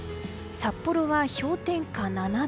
札幌は氷点下７度。